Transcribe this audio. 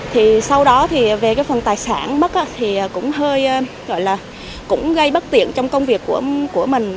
thì sau đó thì về cái phần tài sản mất thì cũng hơi gây bất tiện trong công việc của mình